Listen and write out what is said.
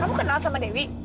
kamu kenal sama dewi